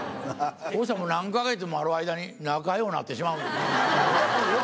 そうしたら何か月もある間に、仲ようなってしまうんですよ。